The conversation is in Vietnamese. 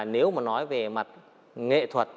nếu mà nói về mặt nghệ thuật